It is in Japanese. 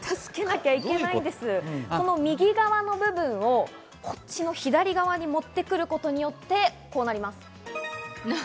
右側の部分を左側に持ってくることによって、こうなります。